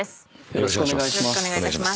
よろしくお願いします。